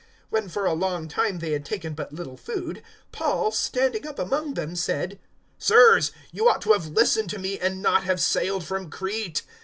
027:021 When for a long time they had taken but little food, Paul, standing up among them, said, "Sirs, you ought to have listened to me and not have sailed from Crete.